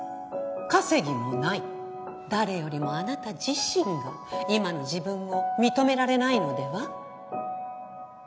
誰よりもあなた自身が今の自分を認められないのでは？